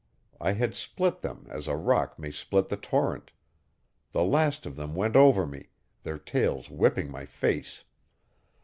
I had split them as a rock may split the torrent. The last of them went over me their tails whipping my face.